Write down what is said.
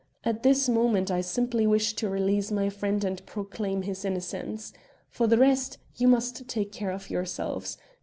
At this moment I simply wish to release my friend and proclaim his innocence. For the rest, you must take care of yourselves.